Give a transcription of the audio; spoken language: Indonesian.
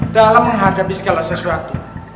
dalam menghadapi segala sesuatu